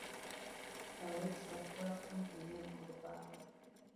Abayizi batuula kumpi nnyo n'olubaawo.